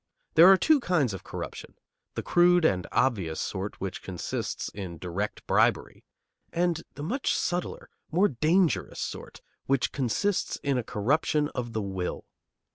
There are two kinds of corruption, the crude and obvious sort, which consists in direct bribery, and the much subtler, more dangerous, sort, which consists in a corruption of the will.